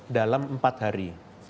dalam empat hari